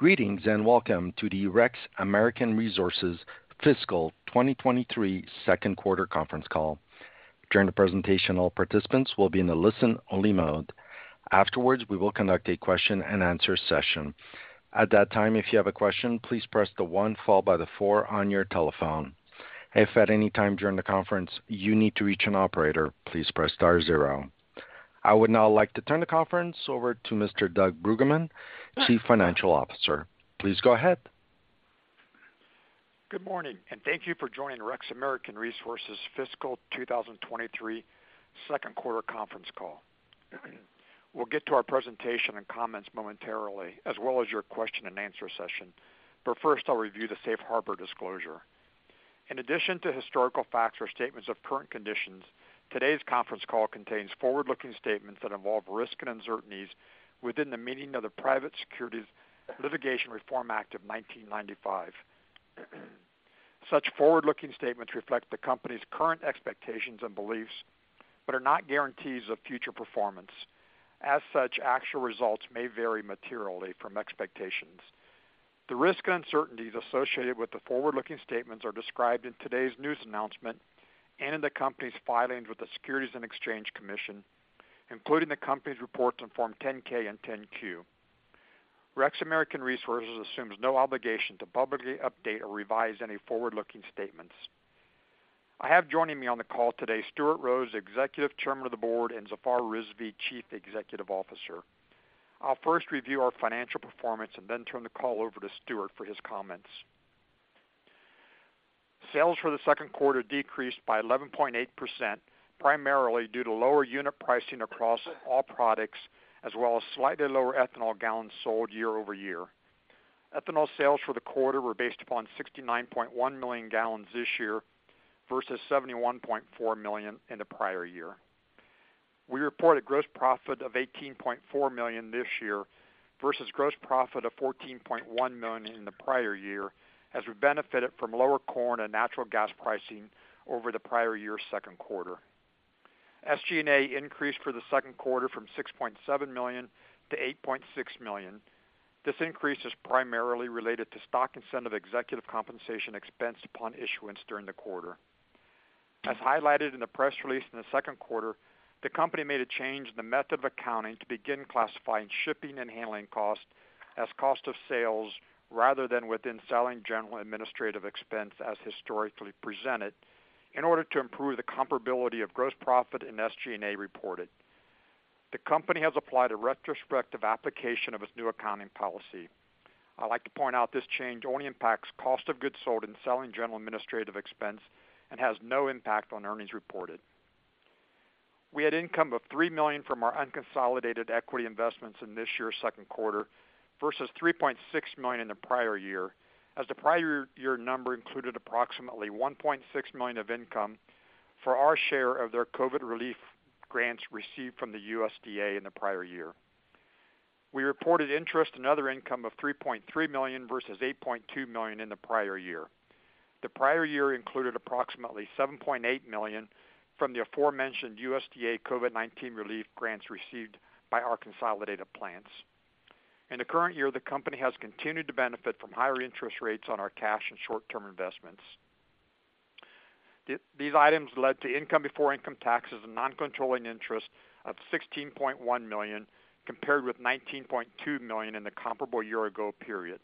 Greetings, and welcome to the REX American Resources Fiscal 2023 Q2 conference call. During the presentation, all participants will be in a listen-only mode. Afterwards, we will conduct a question-and-answer session. At that time, if you have a question, please press the one followed by the four on your telephone. If at any time during the conference you need to reach an operator, please press star zero. I would now like to turn the conference over to Mr. Doug Bruggeman, Chief Financial Officer. Please go ahead. Good morning, and thank you for joining REX American Resources fiscal 2023 Q2 conference call. We'll get to our presentation and comments momentarily, as well as your question-and-answer session. But first, I'll review the safe harbor disclosure. In addition to historical facts or statements of current conditions, today's conference call contains forward-looking statements that involve risks and uncertainties within the meaning of the Private Securities Litigation Reform Act of 1995. Such forward-looking statements reflect the company's current expectations and beliefs, but are not guarantees of future performance. As such, actual results may vary materially from expectations. The risks and uncertainties associated with the forward-looking statements are described in today's news announcement and in the company's filings with the Securities and Exchange Commission, including the company's reports on Form 10-K and 10-Q. REX American Resources assumes no obligation to publicly update or revise any forward-looking statements. I have joining me on the call today, Stuart Rose, Executive Chairman of the Board, and Zafar Rizvi, Chief Executive Officer. I'll first review our financial performance and then turn the call over to Stuart for his comments. Sales for the Q2 decreased by 11.8%, primarily due to lower unit pricing across all products, as well as slightly lower ethanol gallons sold year-over-year. Ethanol sales for the quarter were based upon 69.1 million gallons this year versus 71.4 million in the prior year. We reported gross profit of $18.4 million this year versus gross profit of $14.1 million in the prior year, as we benefited from lower corn and natural gas pricing over the prior year's Q2. SG&A increased for the Q2 from $6.7 million to $8.6 million. This increase is primarily related to stock incentive executive compensation expense upon issuance during the quarter. As highlighted in the press release in the Q2, the company made a change in the method of accounting to begin classifying shipping and handling costs as cost of sales, rather than within selling general and administrative expense as historically presented, in order to improve the comparability of gross profit and SG&A reported. The company has applied a retrospective application of its new accounting policy. I'd like to point out this change only impacts cost of goods sold and selling general administrative expense and has no impact on earnings reported. We had income of $3 million from our unconsolidated equity investments in this year's Q2 versus $3.6 million in the prior year, as the prior year number included approximately $1.6 million of income for our share of their COVID relief grants received from the USDA in the prior year. We reported interest and other income of $3.3 million versus $8.2 million in the prior year. The prior year included approximately $7.8 million from the aforementioned USDA COVID-19 relief grants received by our consolidated plants. In the current year, the company has continued to benefit from higher interest rates on our cash and short-term investments. These items led to income before income taxes and non-controlling interest of $16.1 million, compared with $19.2 million in the comparable year-ago period.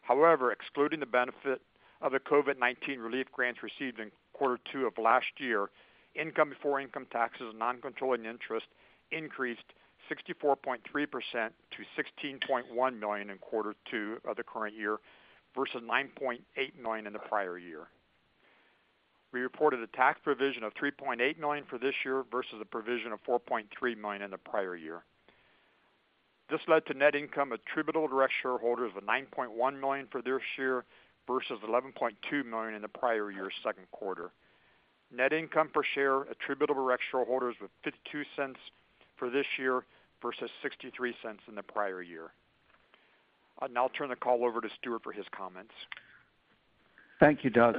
However, excluding the benefit of the COVID-19 relief grants received in quarter two of last year, income before income taxes and non-controlling interest increased 64.3% to $16.1 million in quarter two of the current year, versus $9.8 million in the prior year. We reported a tax provision of $3.8 million for this year versus a provision of $4.3 million in the prior year. This led to net income attributable to REX shareholders of $9.1 million for this year versus $11.2 million in the prior year's Q2. Net income per share attributable to REX shareholders was $0.52 for this year versus $0.63 in the prior year. I'll now turn the call over to Stuart for his comments. Thank you, Doug.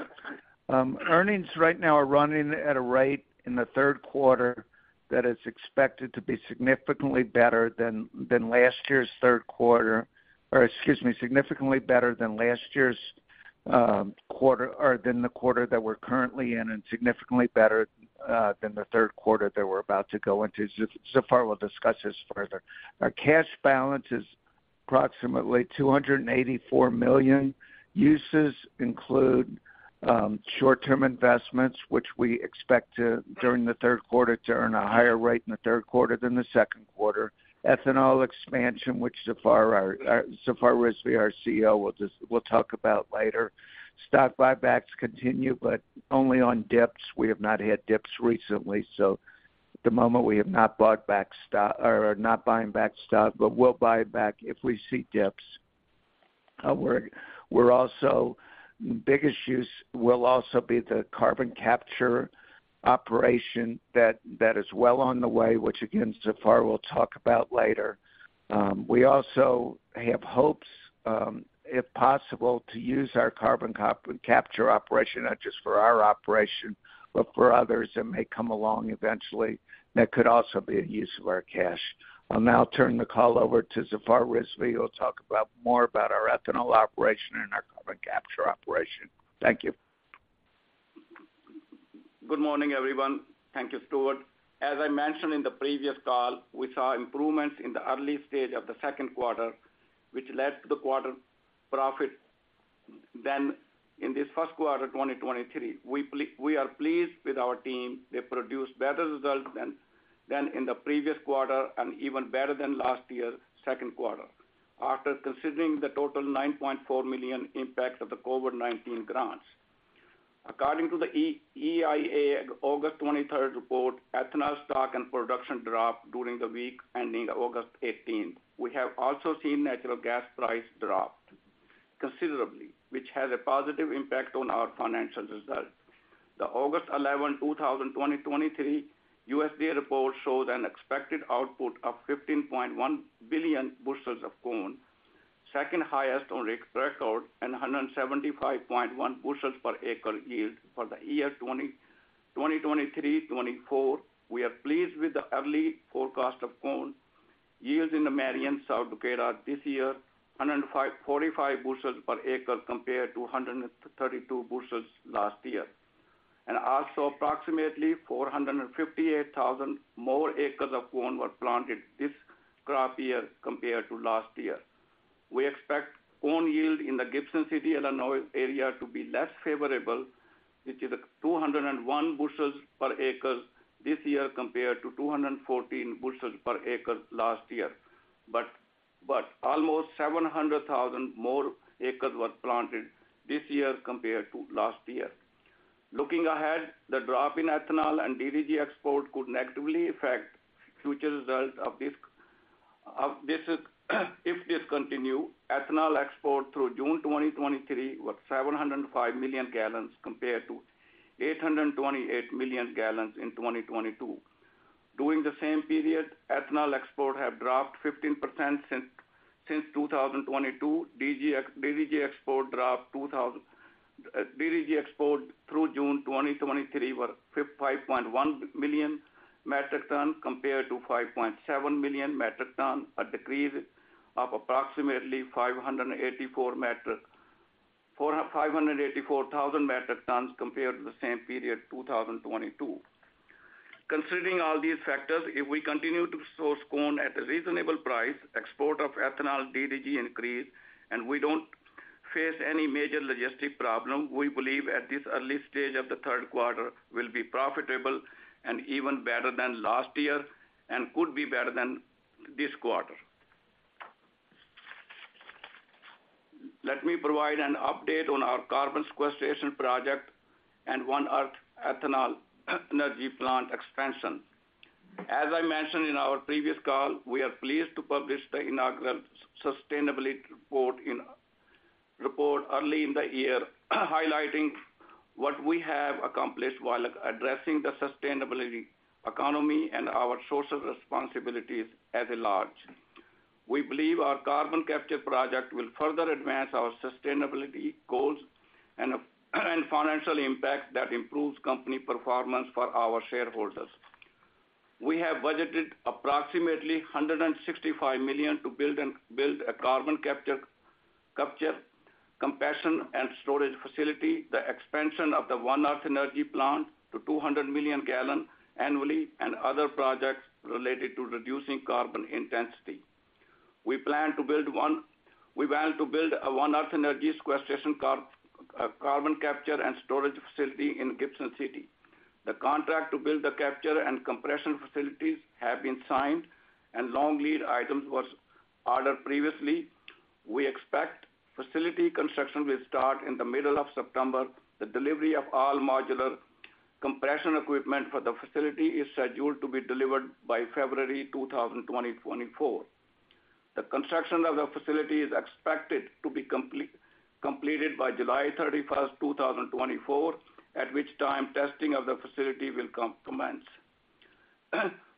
Earnings right now are running at a rate in the Q3 that is expected to be significantly better than last year's Q3, or excuse me, significantly better than last year's quarter, or than the quarter that we're currently in, and significantly better than the Q3 that we're about to go into. Zafar will discuss this further. Our cash balance is approximately $284 million. Uses include short-term investments, which we expect, during the Q3, to earn a higher rate in the Q3 than the Q2. Ethanol expansion, which Zafar Rizvi, our CEO, will talk about later. Stock buybacks continue, but only on dips. We have not had dips recently, so at the moment we have not bought back stock, or are not buying back stock, but we'll buy back if we see dips. We're also big issues will also be the carbon capture operation that is well on the way, which again, Zafar will talk about later. We also have hopes, if possible, to use our carbon capture operation, not just for our operation, but for others that may come along eventually. That could also be a use of our cash. I'll now turn the call over to Zafar Rizvi, who will talk about more about our ethanol operation and our carbon capture operation. Thank you.... Good morning, everyone. Thank you, Stuart. As I mentioned in the previous call, we saw improvements in the early stage of the Q2, which led to the quarter profit than in this Q1 2023. We are pleased with our team. They produced better results than in the previous quarter and even better than last year's Q2, after considering the total $9.4 million impact of the COVID-19 grants. According to the EIA August 23 report, ethanol stock and production dropped during the week ending August 18. We have also seen natural gas price drop considerably, which has a positive impact on our financial results. The August 11, 2023 USDA report shows an expected output of 15.1 billion bushels of corn, second highest on record, and 175.1 bushels per acre yield for the year 2023-2024. We are pleased with the early forecast of corn yields in the Marion, South Dakota this year, 145 bushels per acre compared to 132 bushels last year. And also, approximately 458,000 more acres of corn were planted this crop year compared to last year. We expect corn yield in the Gibson City, Illinois, area to be less favorable, which is 201 bushels per acre this year, compared to 214 bushels per acre last year. But almost 700,000 more acres were planted this year compared to last year. Looking ahead, the drop in ethanol and DDG export could negatively affect future results of this, if this continue. Ethanol export through June 2023 was 705 million gallons compared to 828 million gallons in 2022. During the same period, ethanol export have dropped 15% since 2022. DDG export through June 2023 were 5.1 million metric tons, compared to 5.7 million metric tons, a decrease of approximately 584,000 metric tons compared to the same period, 2022. Considering all these factors, if we continue to source corn at a reasonable price, export of ethanol DDG increase, and we don't face any major logistic problem, we believe at this early stage of the Q3 will be profitable and even better than last year, and could be better than this quarter. Let me provide an update on our carbon sequestration project and One Earth Energy plant expansion. As I mentioned in our previous call, we are pleased to publish the inaugural sustainability report early in the year, highlighting what we have accomplished while addressing the sustainability economy and our social responsibilities at large. We believe our carbon capture project will further advance our sustainability goals and financial impact that improves company performance for our shareholders. We have budgeted approximately $165 million to build a carbon capture, compression, and storage facility, the expansion of the One Earth Energy plant to 200 million gallons annually, and other projects related to reducing carbon intensity. We plan to build a One Earth Energy sequestration carbon capture and storage facility in Gibson City. The contract to build the capture and compression facilities have been signed, and long lead items was ordered previously. We expect facility construction will start in the middle of September. The delivery of all modular compression equipment for the facility is scheduled to be delivered by February 2024. The construction of the facility is expected to be completed by July 31, 2024, at which time, testing of the facility will commence.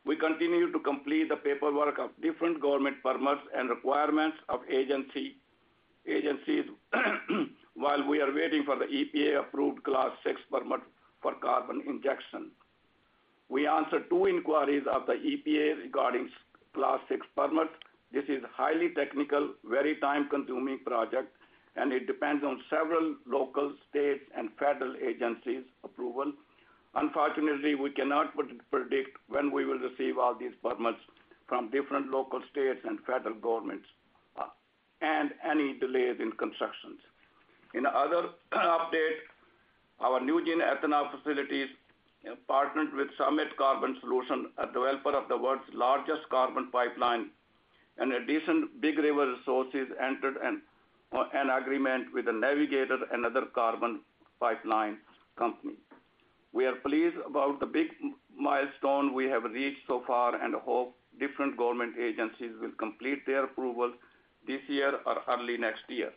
We continue to complete the paperwork of different government permits and requirements of agencies, while we are waiting for the EPA-approved Class VI permit for carbon injection. We answered two inquiries of the EPA regarding Class VI permit. This is a highly technical, very time-consuming project, and it depends on several local, state, and federal agencies' approval. Unfortunately, we cannot predict when we will receive all these permits from different local, state, and federal governments, and any delays in construction. In other update, our NuGen ethanol facilities partnered with Summit Carbon Solutions, a developer of the world's largest carbon pipeline. In addition, Big River Resources entered an agreement with Navigator, another carbon pipeline company. We are pleased about the big milestone we have reached so far and hope different government agencies will complete their approval this year or early next year.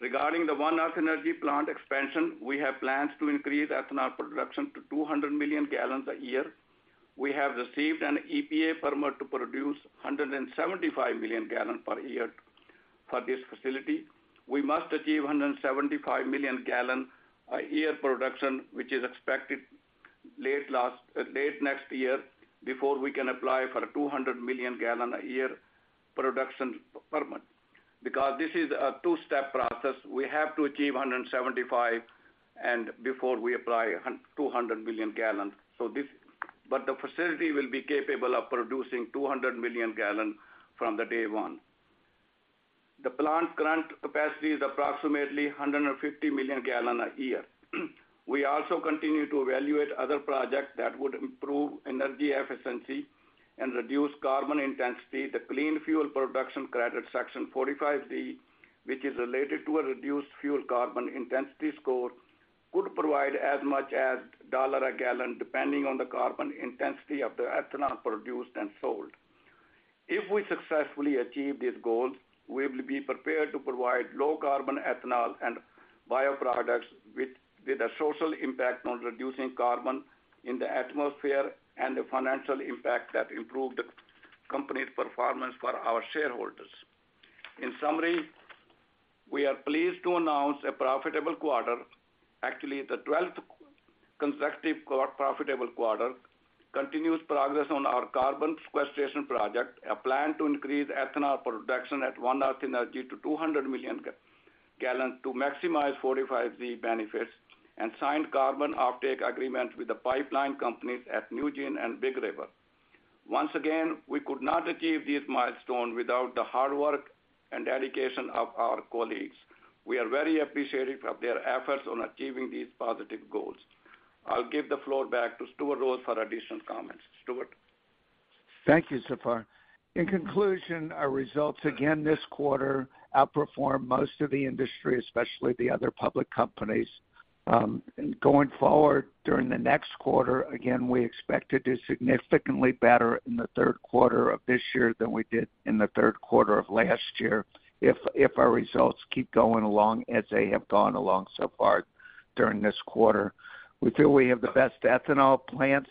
Regarding the One Earth Energy plant expansion, we have plans to increase ethanol production to 200 million gallons a year. We have received an EPA permit to produce 175 million gallons per year for this facility. We must achieve 175 million gallons a year production, which is expected late next year before we can apply for a 200 million gallons a year production permit. Because this is a two-step process, we have to achieve 175 and before we apply 200 million gallons. So this but the facility will be capable of producing 200 million gallons from the day one. The plant current capacity is approximately 150 million gallons a year. We also continue to evaluate other projects that would improve energy efficiency and reduce carbon intensity. The clean fuel production credit, Section 45Z, which is related to a reduced fuel carbon intensity score, could provide as much as $1 a gallon, depending on the carbon intensity of the ethanol produced and sold. If we successfully achieve these goals, we will be prepared to provide low carbon ethanol and bioproducts with a social impact on reducing carbon in the atmosphere and the financial impact that improved company's performance for our shareholders. In summary, we are pleased to announce a profitable quarter, actually, the 12th consecutive profitable quarter, continuous progress on our carbon sequestration project, a plan to increase ethanol production at One Earth Energy to 200 million gallons to maximize 45Z benefits, and signed carbon offtake agreement with the pipeline companies at NuGen and Big River. Once again, we could not achieve this milestone without the hard work and dedication of our colleagues. We are very appreciative of their efforts on achieving these positive goals. I'll give the floor back to Stuart Rose for additional comments. Stuart? Thank you, Zafar. In conclusion, our results again this quarter outperformed most of the industry, especially the other public companies. Going forward, during the next quarter, again, we expect it to significantly better in the Q3 of this year than we did in the Q3 of last year, if our results keep going along as they have gone along so far during this quarter. We feel we have the best ethanol plants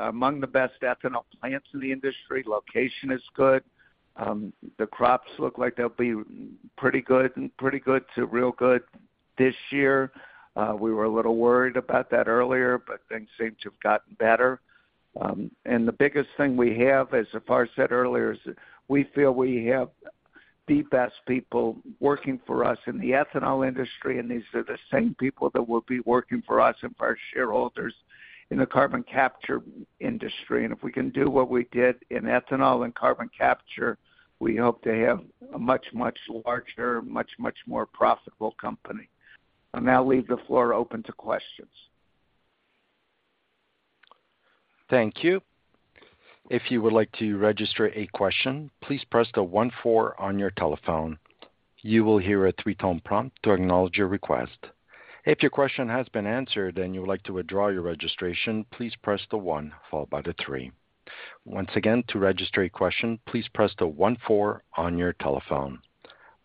among the best ethanol plants in the industry. Location is good. The crops look like they'll be pretty good, pretty good to real good this year. We were a little worried about that earlier, but things seem to have gotten better. The biggest thing we have, as Zafar said earlier, is we feel we have the best people working for us in the ethanol industry, and these are the same people that will be working for us and for our shareholders in the carbon capture industry. If we can do what we did in ethanol and carbon capture, we hope to have a much, much larger, much, much more profitable company. I'll now leave the floor open to questions. Thank you. If you would like to register a question, please press the one, four on your telephone. You will hear a three-tone prompt to acknowledge your request. If your question has been answered and you would like to withdraw your registration, please press the one followed by the three. Once again, to register a question, please press the one, four on your telephone.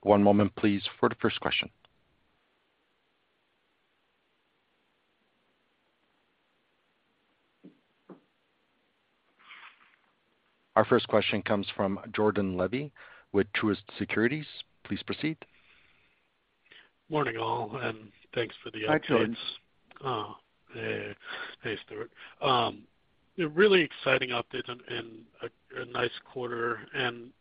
One moment please for the first question. Our first question comes from Jordan Levy with Truist Securities. Please proceed. Morning, all, and thanks for the updates. Hi, Jordan. Oh, hey. Hey, Stuart. A really exciting update and a nice quarter. And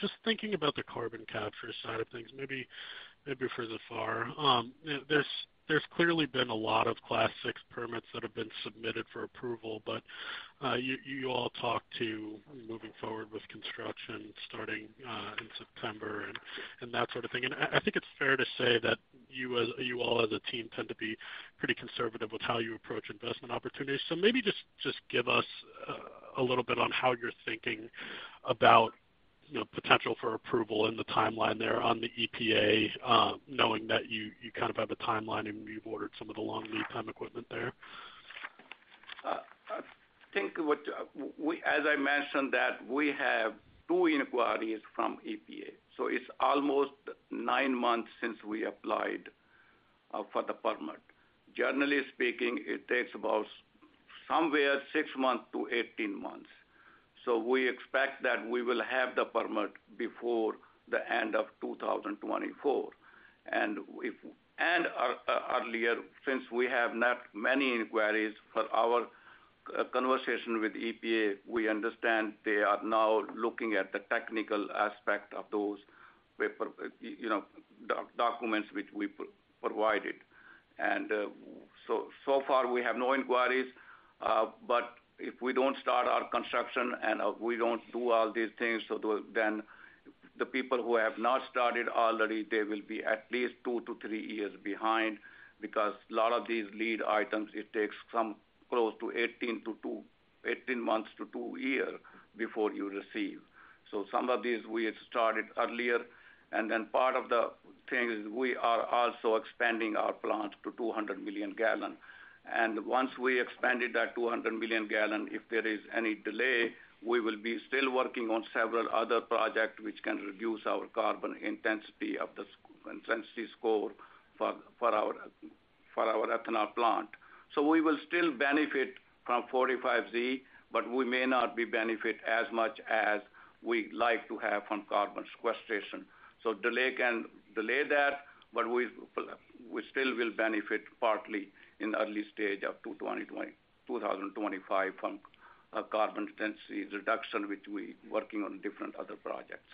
just thinking about the carbon capture side of things, maybe for Zafar. There's clearly been a lot of Class VI permits that have been submitted for approval, but you all talked to moving forward with construction starting in September and that sort of thing. And I think it's fair to say that you all as a team tend to be pretty conservative with how you approach investment opportunities. So maybe just give us a little bit on how you're thinking about, you know, potential for approval and the timeline there on the EPA, knowing that you kind of have a timeline and you've ordered some of the long lead time equipment there. I think, as I mentioned, that we have two inquiries from EPA, so it's almost nine months since we applied for the permit. Generally speaking, it takes about somewhere six months to 18 months. So we expect that we will have the permit before the end of 2024. And earlier, since we have not many inquiries for our conversation with EPA, we understand they are now looking at the technical aspect of those papers, you know, documents which we provided. So far, we have no inquiries, but if we don't start our construction and we don't do all these things, then the people who have not started already, they will be at least two to three years behind, because a lot of these lead items, it takes some close to 18 months to two years before you receive. So some of these we had started earlier, and then part of the thing is we are also expanding our plants to 200 million gallon. And once we expanded that 200 million gallon, if there is any delay, we will be still working on several other project, which can reduce our carbon intensity score for our ethanol plant. So we will still benefit from 45Z, but we may not benefit as much as we'd like to have from carbon sequestration. So delay can delay that, but we still will benefit partly in the early stage of 2025 from carbon intensity reduction, which we working on different other projects.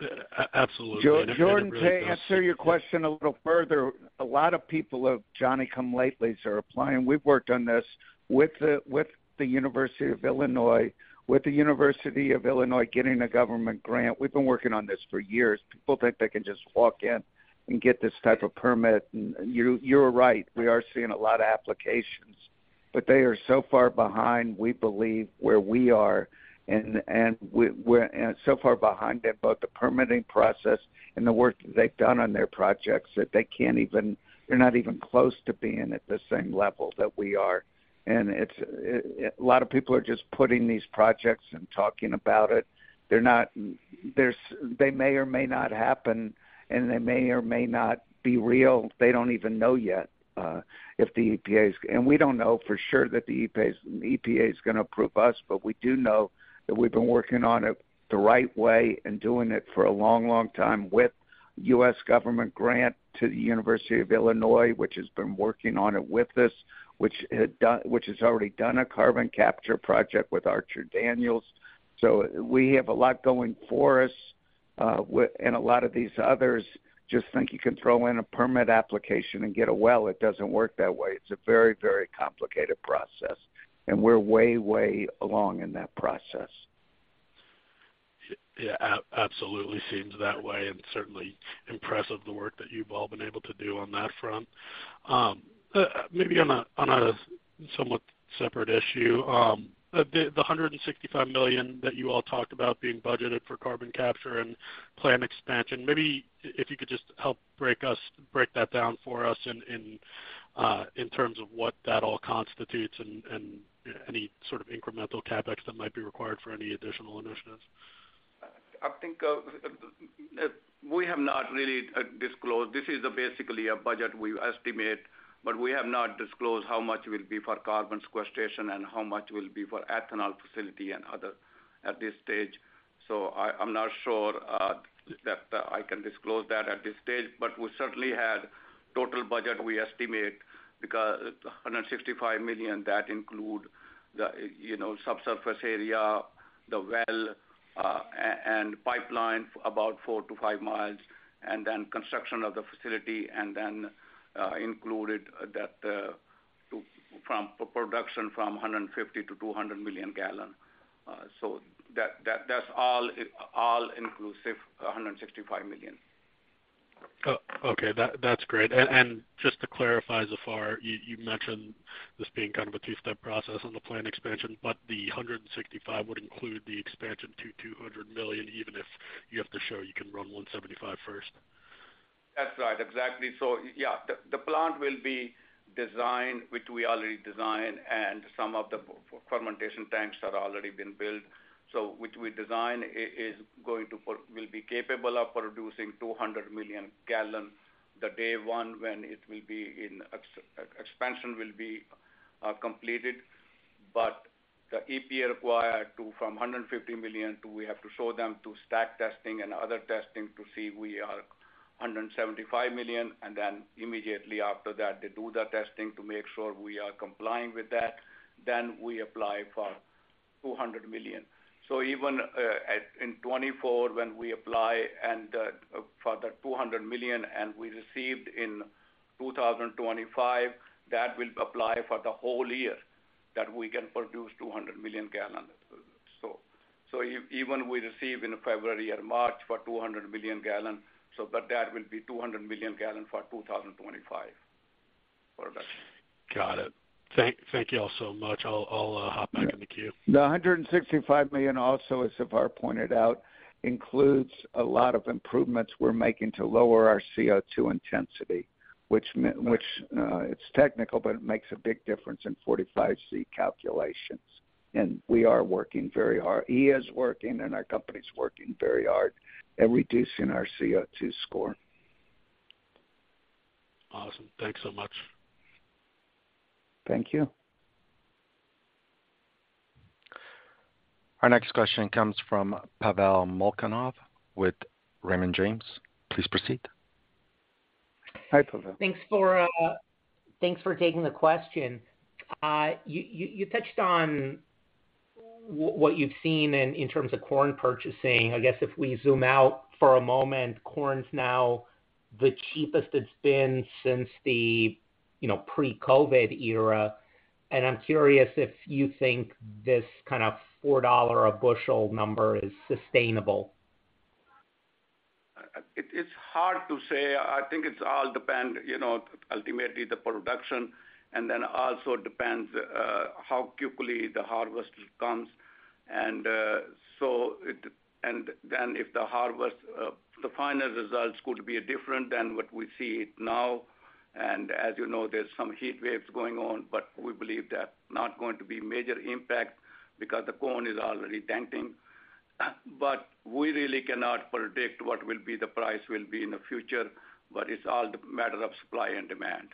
Uh, a-absolutely. Jordan, to answer your question a little further, a lot of johnny-come-latelies are applying. We've worked on this with the, with the University of Illinois, with the University of Illinois, getting a government grant. We've been working on this for years. People think they can just walk in and get this type of permit, and you, you're right, we are seeing a lot of applications. But they are so far behind, we believe, where we are, and so far behind in both the permitting process and the work that they've done on their projects, that they can't even—they're not even close to being at the same level that we are. And it's a lot of people are just putting these projects and talking about it. They're not. They may or may not happen, and they may or may not be real. They don't even know yet if the EPA is. And we don't know for sure that the EPA is gonna approve us, but we do know that we've been working on it the right way and doing it for a long, long time with U.S. government grant to the University of Illinois, which has been working on it with us, which has already done a carbon capture project with Archer Daniels. So we have a lot going for us, and a lot of these others just think you can throw in a permit application and get a well. It doesn't work that way. It's a very, very complicated process, and we're way, way along in that process. Yeah, absolutely, seems that way, and certainly impressive, the work that you've all been able to do on that front. Maybe on a somewhat separate issue. The $165 million that you all talked about being budgeted for carbon capture and plant expansion, maybe if you could just help break that down for us in terms of what that all constitutes and any sort of incremental CapEx that might be required for any additional initiatives. I think, we have not really, disclosed. This is basically a budget we estimate, but we have not disclosed how much will be for carbon sequestration and how much will be for ethanol facility and other at this stage. So I, I'm not sure, that I can disclose that at this stage, but we certainly had total budget we estimate, because $165 million, that include the, you know, subsurface area, the well, and pipeline, about 4-5 miles, and then construction of the facility, and then, included that, to—from production from 150 to 200 million gallon. So that, that's all, all inclusive, $165 million. Oh, okay, that, that's great. And, and just to clarify, Zafar, you, you mentioned this being kind of a two-step process on the plant expansion, but the 165 would include the expansion to 200 million, even if you have to show you can run 175 first? That's right. Exactly. So yeah, the plant will be designed, which we already designed, and some of the fermentation tanks have already been built. So which we design is going to will be capable of producing 200 million gallon the day one, when it will be in expansion will be completed. But the EPA required to from 150 million to we have to show them to stack testing and other testing to see we are 175 million, and then immediately after that, they do the testing to make sure we are complying with that, then we apply for 200 million. So even in 2024, when we apply and for the 200 million and we received in 2025, that will apply for the whole year, that we can produce 200 million gallon. So, so even we receive in February or March for 200 million gallon, so but that will be 200 million gallon for 2025. Got it. Thank you all so much. I'll hop back in the queue. The $165 million also, as Zafar pointed out, includes a lot of improvements we're making to lower our CO2 intensity, which, it's technical, but it makes a big difference in 45Q calculations. And we are working very hard. He is working, and our company's working very hard at reducing our CO2 score. Awesome. Thanks so much. Thank you. Our next question comes from Pavel Molchanov with Raymond James. Please proceed. Hi, Pavel. Thanks for taking the question. You touched on what you've seen in terms of corn purchasing. I guess if we zoom out for a moment, corn's now the cheapest it's been since the pre-COVID era, and I'm curious if you think this kind of $4 a bushel number is sustainable. It's hard to say. I think it all depend, you know, ultimately the production, and then also depends, how quickly the harvest comes. And, so it-- and then if the harvest, the final results could be different than what we see it now. And as you know, there's some heat waves going on, but we believe that not going to be major impact because the corn is already denting. But we really cannot predict what will be the price will be in the future, but it's all the matter of supply and demand...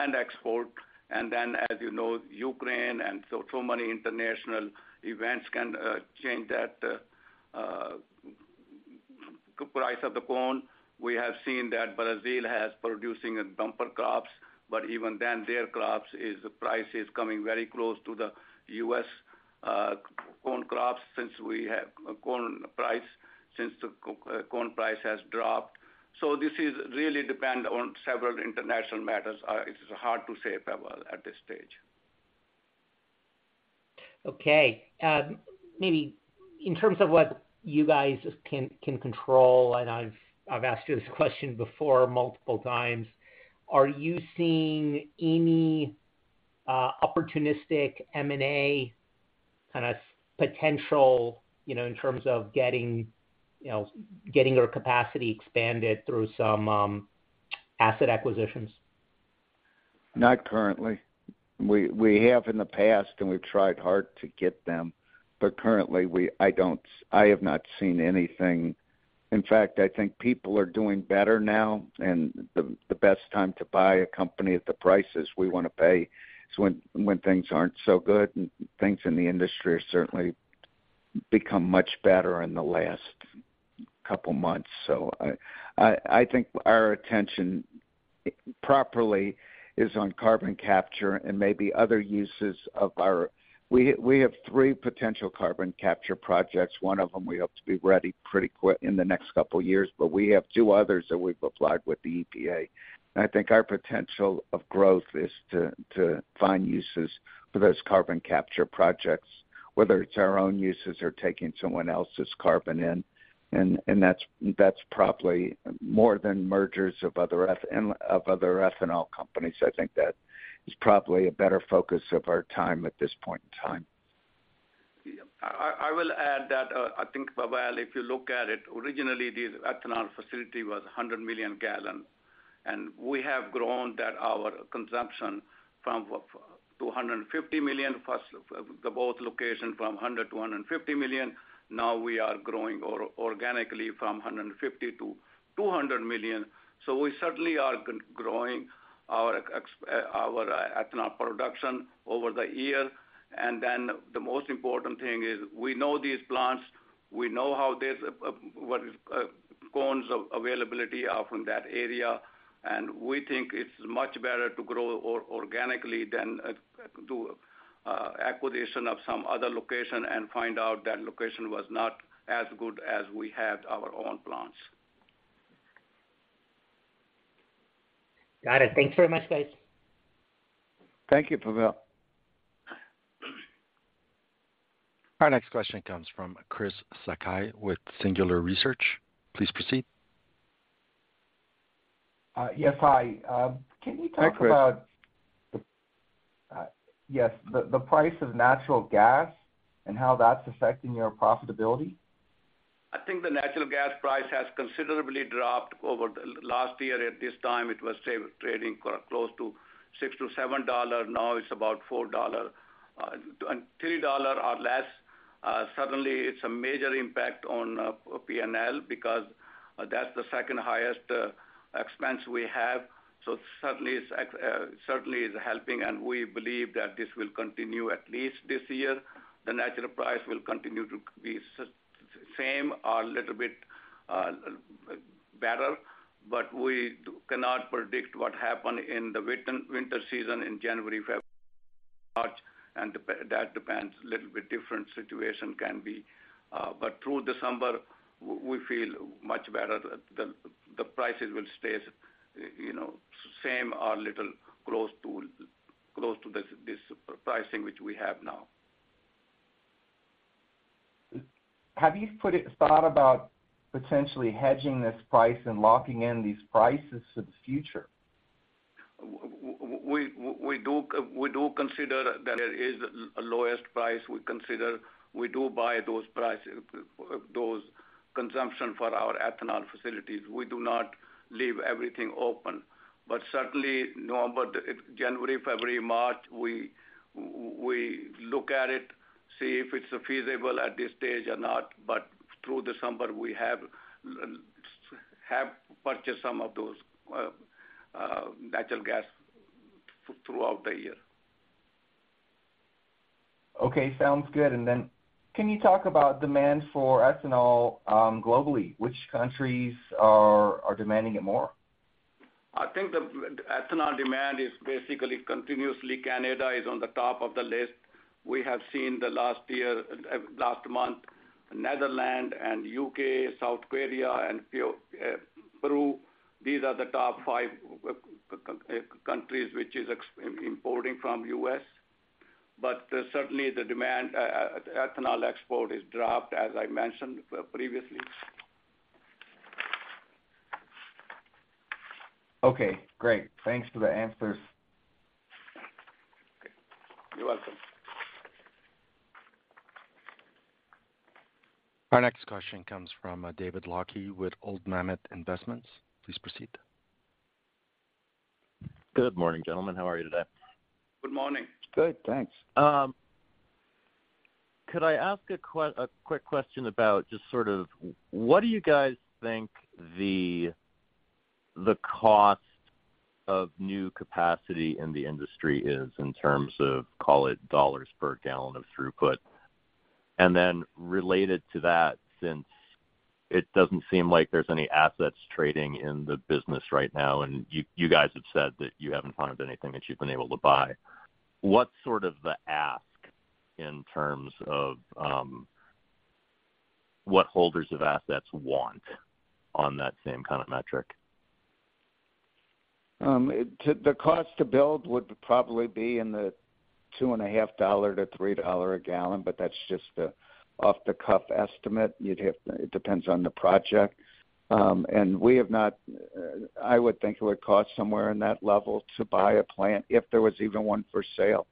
and export. And then as you know, Ukraine and so too many international events can, change that, price of the corn. We have seen that Brazil has producing a bumper crops, but even then their crops is, price is coming very close to the U.S., corn crops since we have a corn price, since the corn price has dropped. So this is really depend on several international matters. It's hard to say, Pavel, at this stage. Okay. Maybe in terms of what you guys can control, and I've asked you this question before multiple times, are you seeing any opportunistic M&A kind of potential, you know, in terms of getting, you know, getting your capacity expanded through some asset acquisitions? Not currently. We have in the past, and we've tried hard to get them, but currently we - I don't. I have not seen anything. In fact, I think people are doing better now, and the best time to buy a company at the prices we want to pay is when things aren't so good, and things in the industry are certainly become much better in the last couple months. So I think our attention properly is on carbon capture and maybe other uses of our... We have three potential carbon capture projects. One of them we hope to be ready pretty quick - in the next couple years, but we have two others that we've applied with the EPA. I think our potential of growth is to find uses for those carbon capture projects, whether it's our own uses or taking someone else's carbon in. And that's probably more than mergers of other ethanol companies. I think that is probably a better focus of our time at this point in time. Yeah. I will add that, I think, Pavel, if you look at it, originally, the ethanol facility was 100 million gallon, and we have grown that our consumption from to 150 million plus, the both locations from 100 to 150 million. Now we are growing organically from 150 to 200 million. So we certainly are growing our ethanol production over the year. And then the most important thing is we know these plants, we know how this, what is corn's availability is from that area, and we think it's much better to grow organically than do a acquisition of some other location and find out that location was not as good as we had our own plants. Got it. Thanks very much, guys. Thank you, Pavel. Our next question comes from Chris Sakai with Singular Research. Please proceed. Yes, hi. Can you talk about- Hi, Chris. Yes, the price of natural gas and how that's affecting your profitability? I think the natural gas price has considerably dropped over the last year. At this time, it was trading close to $6-$7. Now, it's about $4, and $3 or less. Certainly it's a major impact on P&L because that's the second highest expense we have. So certainly it's certainly is helping, and we believe that this will continue at least this year. The natural price will continue to be same or little bit better, but we cannot predict what happen in the winter season, in January, February, March, and that depends, little bit different situation can be. But through December, we feel much better. The prices will stay, you know, same or little close to, close to this, this pricing, which we have now. Have you put a thought about potentially hedging this price and locking in these prices for the future? We, we do, we do consider that there is a lowest price. We consider, we do buy those prices, those consumption for our ethanol facilities. We do not leave everything open. But certainly, November, January, February, March, we look at it, see if it's feasible at this stage or not, but through December, we have purchased some of those natural gas throughout the year. Okay. Sounds good. And then can you talk about demand for ethanol, globally? Which countries are demanding it more? I think the ethanol demand is basically continuously. Canada is on the top of the list. We have seen the last year, last month, Netherlands and U.K., South Korea, and Peru. These are the top five countries which is exporting from U.S. But certainly the demand, ethanol export has dropped, as I mentioned previously. Okay, great. Thanks for the answers. You're welcome. Our next question comes from David Locke with Old Mammoth Investments. Please proceed. Good morning, gentlemen. How are you today? Good morning. Good, thanks.... Could I ask a quick question about just sort of what do you guys think the cost of new capacity in the industry is in terms of, call it, $ per gallon of throughput? And then related to that, since it doesn't seem like there's any assets trading in the business right now, and you guys have said that you haven't found anything that you've been able to buy, what's sort of the ask in terms of what holders of assets want on that same kind of metric? The cost to build would probably be in the $2.5-$3 a gallon, but that's just an off-the-cuff estimate. It depends on the project. And we have not. I would think it would cost somewhere in that level to buy a plant if there was even one for sale.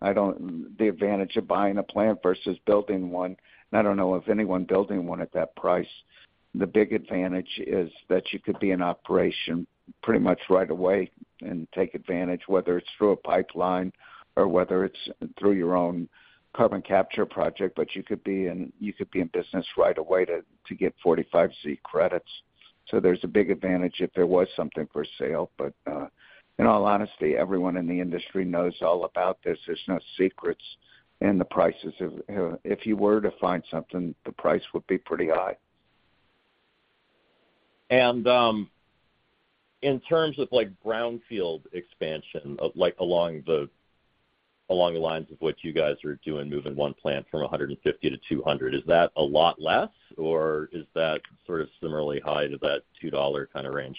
The advantage of buying a plant versus building one, and I don't know of anyone building one at that price, the big advantage is that you could be in operation pretty much right away and take advantage, whether it's through a pipeline or whether it's through your own carbon capture project. But you could be in business right away to get 45Z credits. So there's a big advantage if there was something for sale. But, in all honesty, everyone in the industry knows all about this. There's no secrets in the prices of... If you were to find something, the price would be pretty high. In terms of, like, brownfield expansion, of like, along the lines of what you guys are doing, moving one plant from 150 to 200, is that a lot less, or is that sort of similarly high to that $2 kind of range?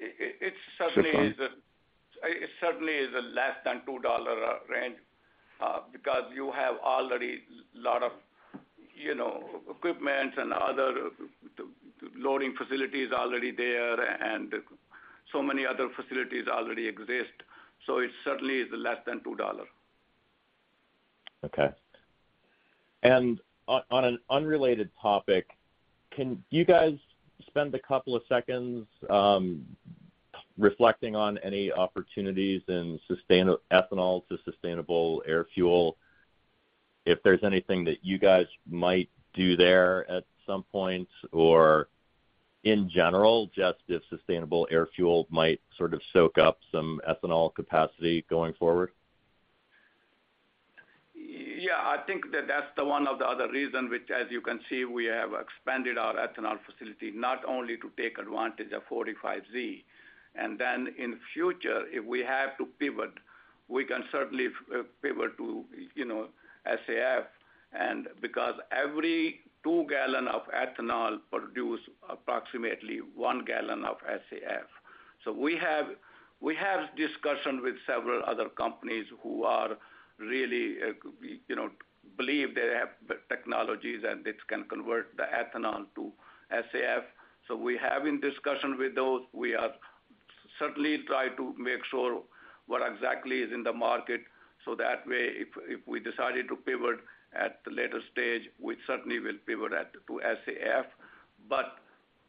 It certainly is a less than $2 range, because you have already a lot of, you know, equipment and other terminal loading facilities already there, and so many other facilities already exist. So it certainly is less than $2. Okay. And on an unrelated topic, can you guys spend a couple of seconds, reflecting on any opportunities in ethanol to sustainable air fuel, if there's anything that you guys might do there at some point, or in general, just if sustainable air fuel might sort of soak up some ethanol capacity going forward? Yeah, I think that that's one of the other reasons, which, as you can see, we have expanded our ethanol facility, not only to take advantage of 45Z, and then in future, if we have to pivot, we can certainly pivot to, you know, SAF. And because every two gallon of ethanol produce approximately one gallon of SAF. So we have discussion with several other companies who are really, you know, believe they have the technologies, and it can convert the ethanol to SAF. So we're having discussion with those. We are certainly try to make sure what exactly is in the market, so that way, if we decided to pivot at the later stage, we certainly will pivot to SAF. But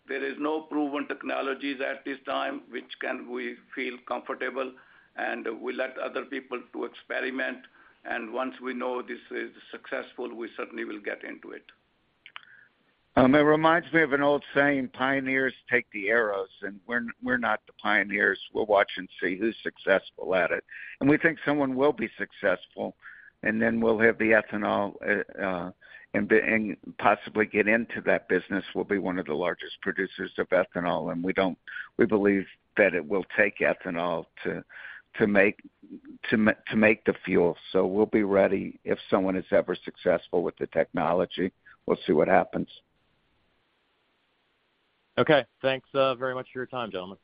there is no proven technologies at this time which can we feel comfortable, and we let other people to experiment, and once we know this is successful, we certainly will get into it. It reminds me of an old saying, "Pioneers take the arrows," and we're not the pioneers. We'll watch and see who's successful at it. We think someone will be successful, and then we'll have the ethanol and possibly get into that business. We'll be one of the largest producers of ethanol, and we don't believe that it will take ethanol to make the fuel. So we'll be ready if someone is ever successful with the technology. We'll see what happens. Okay. Thanks, very much for your time, gentlemen.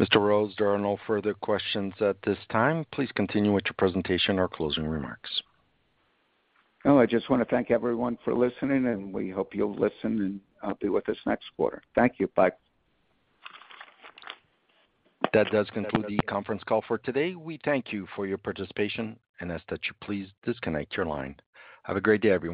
Mr. Rose, there are no further questions at this time. Please continue with your presentation or closing remarks. Oh, I just wanna thank everyone for listening, and we hope you'll listen and be with us next quarter. Thank you. Bye. That does conclude the conference call for today. We thank you for your participation and ask that you please disconnect your line. Have a great day, everyone.